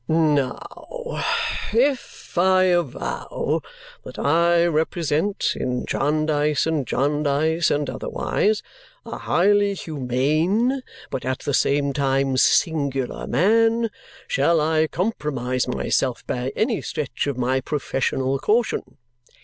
Now, if I avow that I represent, in Jarndyce and Jarndyce and otherwise, a highly humane, but at the same time singular, man, shall I compromise myself by any stretch of my professional caution?"